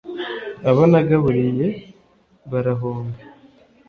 abo nagaburiye barahunga,